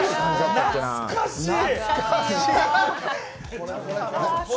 懐かしい！